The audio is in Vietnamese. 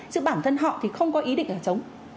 chứ bản thân họ thì không có ý định là chống